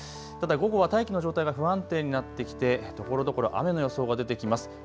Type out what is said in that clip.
ただ午後は大気の状態が不安定になってきてところどころ雨の予想が出てきます。